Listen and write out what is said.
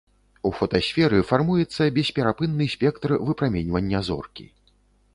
У фотасферы фармуецца бесперапынны спектр выпраменьвання зоркі.